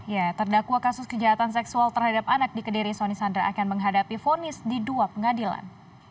ya terdakwa kasus kejahatan seksual terhadap anak di kediri soni sandra akan menghadapi fonis di dua pengadilan